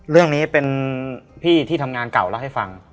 เรื่องนี้เป็นพี่ที่ทำงานเก่าเล่าให้ฟัง